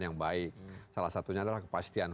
yang baik salah satunya adalah kepastian